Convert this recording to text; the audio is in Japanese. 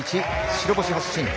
白星発進。